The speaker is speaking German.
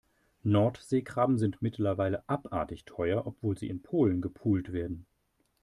Nordseekrabben sind mittlerweile abartig teuer, obwohl sie in Polen gepult werden.